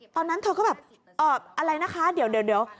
ตอนนั้นเธอก็แบบอะไรนะคะเดี๋ยว